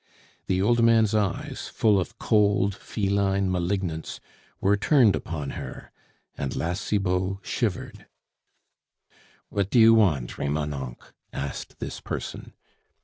The old man's eyes, full of cold feline malignance, were turned upon her, and La Cibot shivered. "What do you want, Remonencq?" asked this person.